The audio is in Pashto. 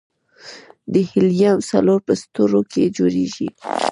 د هیلیم څلور په ستورو کې جوړېږي.